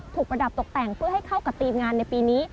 ประดับตกแต่งเพื่อให้เข้ากับทีมงานในปีนี้